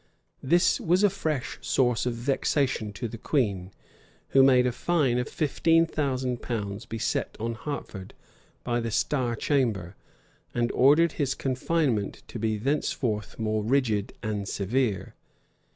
This was a fresh source of vexation to the queen; who made a fine of fifteen thousand pounds be set on Hertford by the star chamber and ordered his confinement to be thenceforth more rigid and severe.